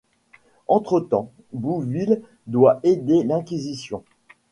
Entretemps, Bouville doit aider l'Inquisition.